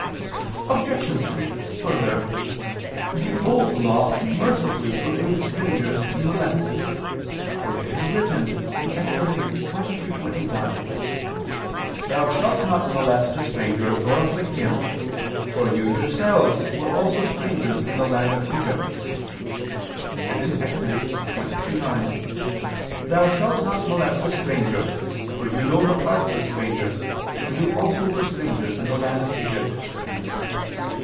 Obj. 3: Further, the Old Law mercifully forbade strangers to be molested: for it is written (Ex. 22:21): "Thou shalt not molest a stranger, nor afflict him; for yourselves also were strangers in the land of Egypt": and (Ex. 23:9): "Thou shalt not molest a stranger, for you know the hearts of strangers, for you also were strangers in the land of Egypt."